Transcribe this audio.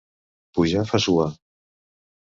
Pujar fa suar.